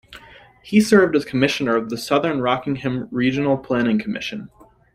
He served as commissioner of the Southern Rockingham Regional Planning Commission.